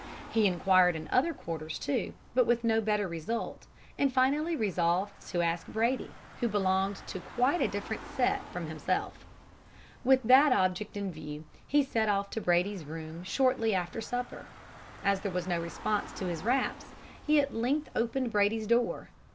He enquired in other quarters, too, but with no better result, and finally resolved to ask Brady, who belonged to quite a different set from himself. With that object in view he set off to Brady's room shortly after supper. As there was no response to his raps, he at length opened Brady's door.